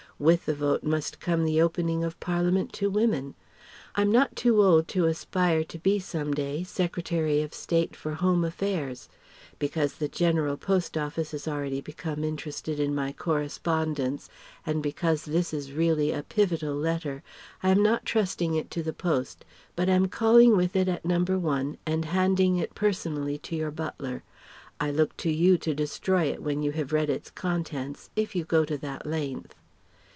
With the Vote must come the opening of Parliament to women. I'm not too old to aspire to be some day Secretary of State for Home Affairs. Because the General Post Office has already become interested in my correspondence, and because this is really a "pivotal" letter I am not trusting it to the post but am calling with it at No. 1 and handing it personally to your butler. I look to you to destroy it when you have read its contents if you go to that length.